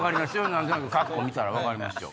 何となく格好見たら分かりますよ。